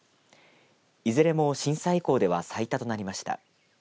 いずれも震災以降では最多となりました。